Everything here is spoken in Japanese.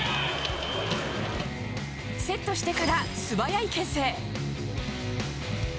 セットしてから素早い牽制。